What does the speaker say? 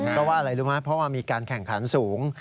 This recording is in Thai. เพราะว่าอะไรรู้ไหมเพราะว่ามีการแข่งขันสูง